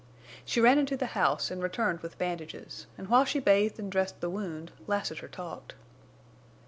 She ran into the house and returned with bandages; and while she bathed and dressed the wound Lassiter talked.